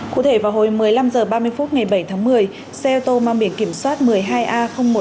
cụ thể vào hồi một mươi năm h ba mươi phút ngày bảy tháng một mươi xe ô tô mang biển kiểm soát một mươi hai a một nghìn chín trăm tám